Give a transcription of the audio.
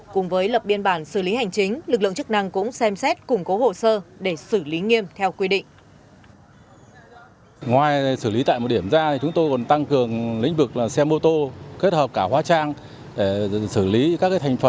cùng với lập biên bản xử lý hành chính lực lượng chức năng cũng xem xét củng cố hồ sơ để xử lý nghiêm theo quy định